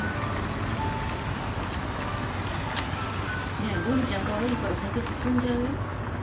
ねえボニーちゃんかわいいから酒進んじゃうよ。